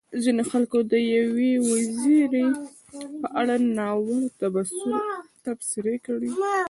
ځينو خلکو د يوې وزيرې په اړه ناوړه تبصرې کړې.